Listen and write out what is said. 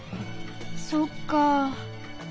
そっかあ。